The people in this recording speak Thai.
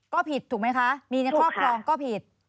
ก็ผิดถูกไหมคะมีในครอบครองก็ผิด